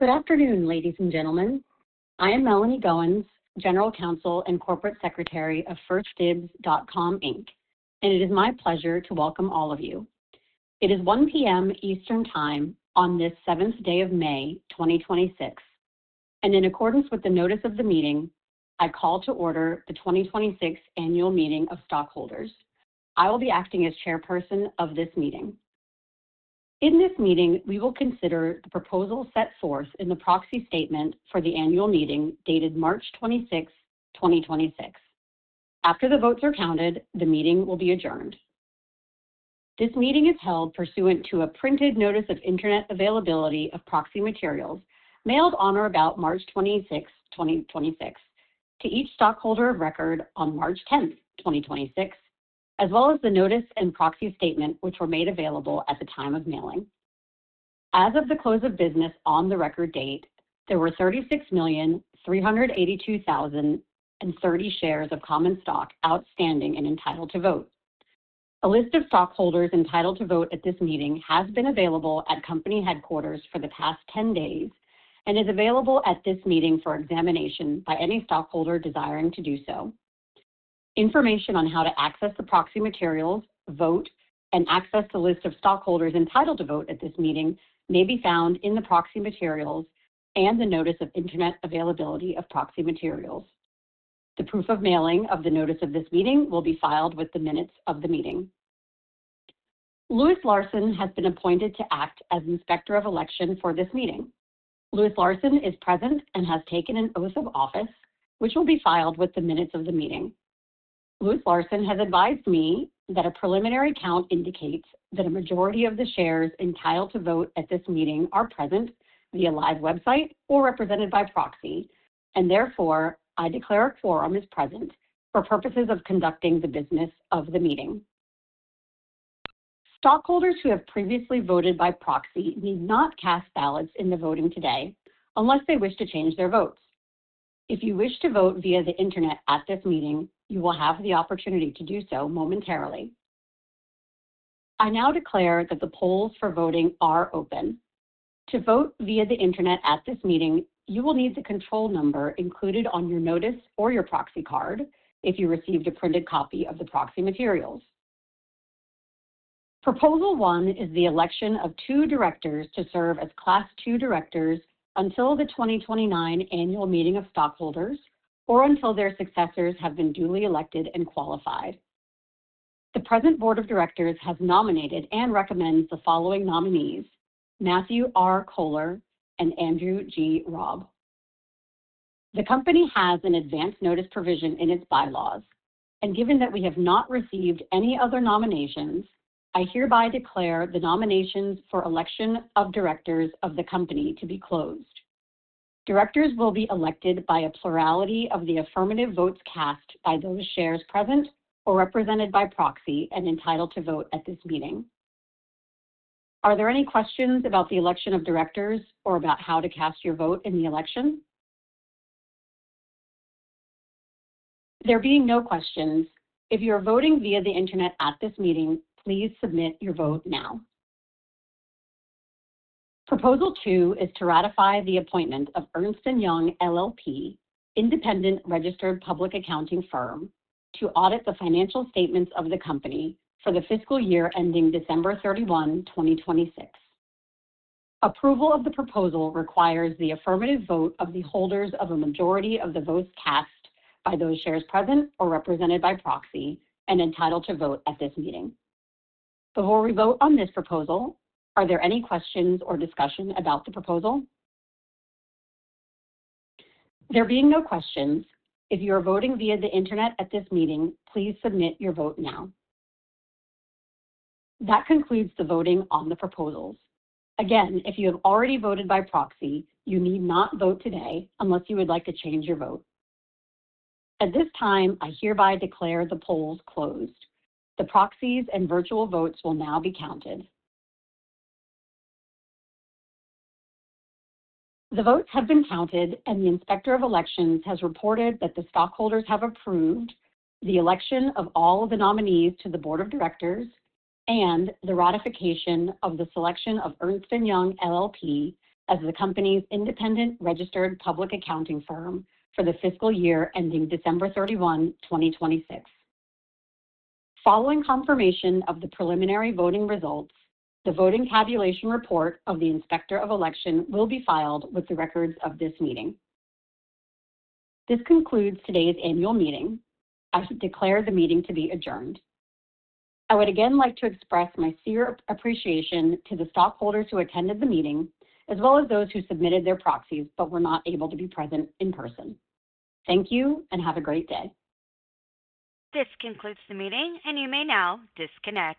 Good afternoon, ladies and gentlemen. I am Melanie Goins, General Counsel and Corporate Secretary of 1stdibs.com, Inc. It is my pleasure to welcome all of you. It is 1:00 P.M. Eastern Time on this 7th day of May 2026. In accordance with the notice of the meeting, I call to order the 2026 annual meeting of stockholders. I will be acting as chairperson of this meeting. In this meeting, we will consider the proposal set forth in the proxy statement for the annual meeting dated March 26th, 2026. After the votes are counted, the meeting will be adjourned. This meeting is held pursuant to a printed notice of Internet availability of proxy materials mailed on or about March 26th, 2026 to each stockholder of record on March 10th, 2026, as well as the notice and proxy statement, which were made available at the time of mailing. As of the close of business on the record date, there were 36,382,030 shares of common stock outstanding and entitled to vote. A list of stockholders entitled to vote at this meeting has been available at company headquarters for the past 10 days and is available at this meeting for examination by any stockholder desiring to do so. Information on how to access the proxy materials, vote, and access the list of stockholders entitled to vote at this meeting may be found in the proxy materials and the notice of Internet availability of proxy materials. The proof of mailing of the notice of this meeting will be filed with the minutes of the meeting. Lewis Larson has been appointed to act as Inspector of Election for this meeting. Lewis Larson is present and has taken an oath of office, which will be filed with the minutes of the meeting. Lewis Larson has advised me that a preliminary count indicates that a majority of the shares entitled to vote at this meeting are present via live website or represented by proxy. Therefore, I declare a quorum is present for purposes of conducting the business of the meeting. Stockholders who have previously voted by proxy need not cast ballots in the voting today unless they wish to change their votes. If you wish to vote via the Internet at this meeting, you will have the opportunity to do so momentarily. I now declare that the polls for voting are open. To vote via the Internet at this meeting, you will need the control number included on your notice or your proxy card if you received a printed copy of the proxy materials. Proposal one is the election of two directors to serve as class two directors until the 2029 annual meeting of stockholders or until their successors have been duly elected and qualified. The present board of directors has nominated and recommends the following nominees: Matthew R. Cohler and Andrew G. Robb. The company has an advance notice provision in its bylaws, and given that we have not received any other nominations, I hereby declare the nominations for election of directors of the company to be closed. Directors will be elected by a plurality of the affirmative votes cast by those shares present or represented by proxy and entitled to vote at this meeting. Are there any questions about the election of directors or about how to cast your vote in the election? There being no questions, if you're voting via the Internet at this meeting, please submit your vote now. Proposal two is to ratify the appointment of Ernst & Young LLP, independent registered public accounting firm, to audit the financial statements of the company for the fiscal year ending December 31, 2026. Approval of the proposal requires the affirmative vote of the holders of a majority of the votes cast by those shares present or represented by proxy and entitled to vote at this meeting. Before we vote on this proposal, are there any questions or discussion about the proposal? There being no questions, if you are voting via the Internet at this meeting, please submit your vote now. That concludes the voting on the proposals. Again, if you have already voted by proxy, you need not vote today unless you would like to change your vote. At this time, I hereby declare the polls closed. The proxies and virtual votes will now be counted. The votes have been counted, and the Inspector of Election has reported that the stockholders have approved the election of all the nominees to the board of directors and the ratification of the selection of Ernst & Young LLP as the company's independent registered public accounting firm for the fiscal year ending December 31, 2026. Following confirmation of the preliminary voting results, the voting tabulation report of the Inspector of Election will be filed with the records of this meeting. This concludes today's annual meeting. I should declare the meeting to be adjourned. I would again like to express my sincere appreciation to the stockholders who attended the meeting, as well as those who submitted their proxies but were not able to be present in person. Thank you and have a great day. This concludes the meeting, and you may now disconnect.